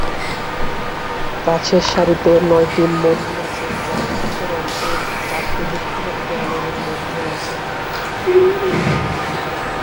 কাছের সারিতে নয়টি মন্দির আছে যার উত্তর অংশের চারটি ব্যক্তিগত দেয়ালের মধ্যে আছে।